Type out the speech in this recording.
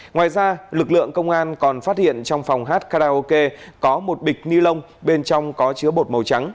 ngoài ra lực lượng công an còn phát hiện trong phòng hát karaoke có một bịch ni lông bên trong có chứa bột màu trắng